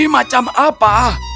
mimpi macam apa